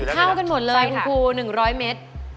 เข้ากันหมดเลยคุณครู๑๐๐เมตร